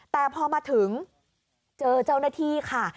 แต่พอมาถึงเจอเจ้าหน้าที่ค่ะ